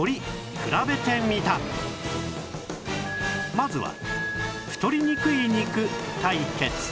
まずは太りにくい肉対決